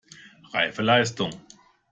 Reife Leistung!